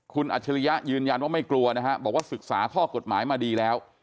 คุณอัจฉริยะยืนยันว่าไม่กลัวนะฮะบอกว่าศึกษาข้อกฎหมายมาดีแล้ว